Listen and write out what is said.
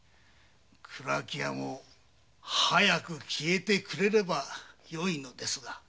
蔵木屋も早く消えてくれればよいのですが。